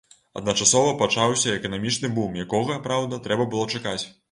Адначасова пачаўся эканамічны бум, якога, праўда, трэба было чакаць.